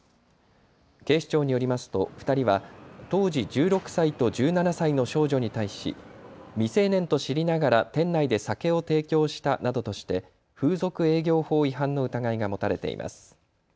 警視庁によりますと２人は当時１６歳と１７歳の少女に対し未成年と知りながら店内で酒を提供したなどとして風俗営業法違反の疑いがもたれています。